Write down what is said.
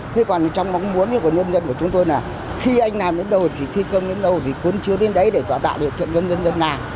thế còn trong mong muốn của nhân dân của chúng tôi là khi anh làm đến đâu thì thi công đến đâu thì cuốn chứa đến đấy để tạo đạo điều kiện cho nhân dân này